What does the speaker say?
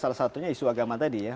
salah satunya isu agama tadi ya